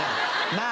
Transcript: なあ？